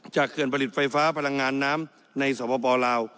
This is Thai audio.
เขื่อนผลิตไฟฟ้าพลังงานน้ำในสวปปลาว